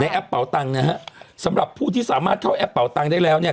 แอปเป่าตังค์นะฮะสำหรับผู้ที่สามารถเข้าแอปเป่าตังค์ได้แล้วเนี่ย